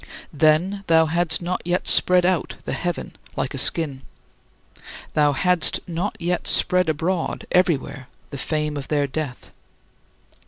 Then thou hadst not yet spread out the heaven like a skin; thou hadst not yet spread abroad everywhere the fame of their death.